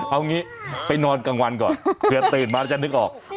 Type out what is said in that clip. เอางี้ไปนอนกลางวันก่อนเผื่อตื่นมาแล้วจะนึกออก